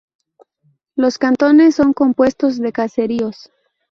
Los cantones son compuestos de caseríos.